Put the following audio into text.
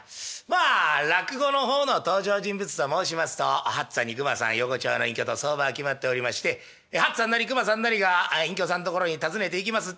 まあ落語の方の登場人物と申しますと八っつぁんに熊さん横町の隠居と相場は決まっておりまして八っつぁんなり熊さんなりが隠居さん所に訪ねていきます